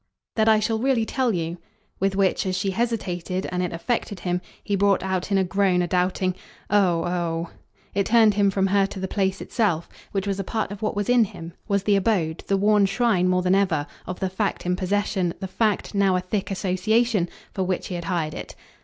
"That I shall really tell you?" With which, as she hesitated and it affected him, he brought out in a groan a doubting "Oh, oh!" It turned him from her to the place itself, which was a part of what was in him, was the abode, the worn shrine more than ever, of the fact in possession, the fact, now a thick association, for which he had hired it.